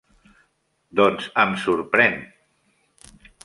Doncs em sorprèn!